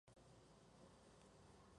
Su ídolo es Roger Federer.